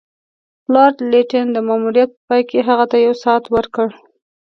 لارډ لیټن د ماموریت په پای کې هغه ته یو ساعت ورکړ.